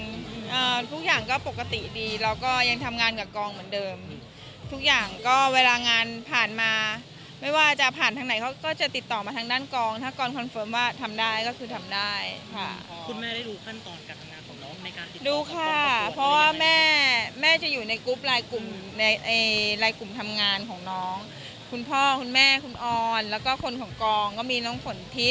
อ่าทุกอย่างก็ปกติดีแล้วก็ยังทำงานกับกองเหมือนเดิมทุกอย่างก็เวลางานผ่านมาไม่ว่าจะผ่านทางไหนเขาก็จะติดต่อมาทางด้านกองถ้ากองคอนเฟิร์มว่าทำได้ก็คือทำได้ค่ะคุณแม่ได้รู้ขั้นตอนการทำงานของน้องในการติดตามดูค่ะเพราะว่าแม่แม่จะอยู่ในกรุ๊ปไลน์กลุ่มในลายกลุ่มทำงานของน้องคุณพ่อคุณแม่คุณออนแล้วก็คนของกองก็มีน้องฝนทิ